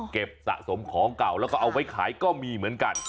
สะสมของเก่าแล้วก็เอาไว้ขายก็มีเหมือนกัน